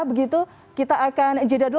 begitu kita akan jeda dulu